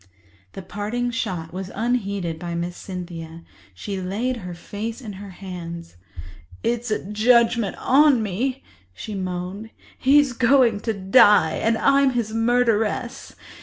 This parting shot was unheeded by Miss Cynthia. She laid her face in her hands. "It's a judgement on me," she moaned. "He's going to die, and I'm his murderess.